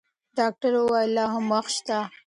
ډاکټر وویل چې لا هم وخت شته.